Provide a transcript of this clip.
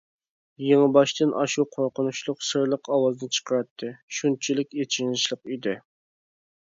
يېڭىباشتىن ئاشۇ قورقۇنچلۇق سىرلىق ئاۋازنى چىقىراتتى، شۇنچىلىك ئېچىنىشلىق ئىدى.